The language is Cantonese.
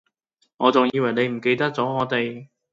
我仲以為你唔記得咗我哋